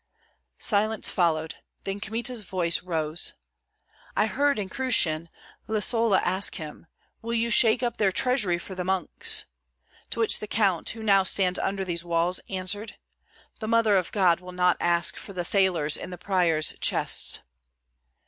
Silence followed. Then Kmita's voice rose: "I heard in Krushyn Lisola ask him, 'Will you shake up their treasury for the monks?' to which the count, who now stands under these walls, answered, 'The Mother of God will not ask for the thalers in the priors' chests.'